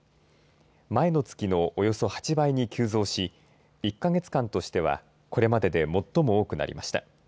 前の月のおよそ８倍に急増し１か月間としてはこれまでで最も多くなりました。